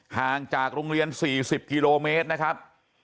ห่างจากโรงเรียน๔๐กิโลเมตรนะครับ